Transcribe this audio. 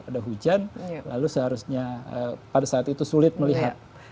ada hujan lalu seharusnya pada saat itu sulit melihat